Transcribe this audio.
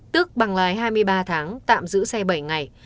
tước bằng lái hai mươi ba tháng tạm giữ xe bảy ngày